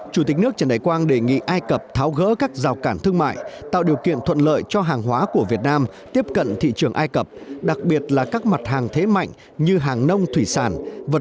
chủ tịch nước trần đại quang bày tỏ vui mừng về những thành tiệu mà nhà nước và nhân dân ai cập đã đạt được trong thời gian qua